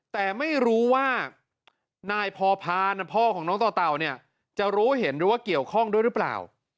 แต่ไม่รู้ว่านายพอพานพ่อของน้องต่อเต่าเนี่ยจะรู้เห็นหรือว่าเกี่ยวข้องด้วยหรือเปล่า